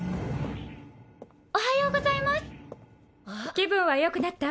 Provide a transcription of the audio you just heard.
気分はよくなった？